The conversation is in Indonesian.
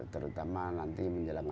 terutama nanti menjelang